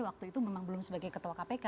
waktu itu memang belum sebagai ketua kpk